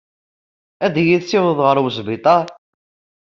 Ad iyi-tessiwḍeḍ ɣer wesbiṭar?